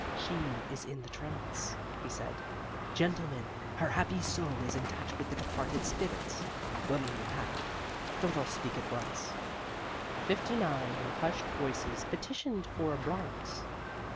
"She is in the trance," he said. "Gentlemen, her happy soul is in touch with the departed spirits. What'll you have? Don't all speak at once." Fifty nine, in hushed voices, petitioned for a Bronx.